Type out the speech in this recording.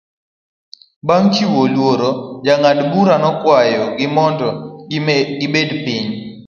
Bang' chiwo luor, jang'ad bura nokwayo gi mondo gibed piny.